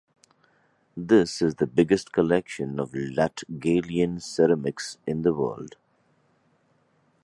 This is the biggest collection of Latgalian ceramics in the world.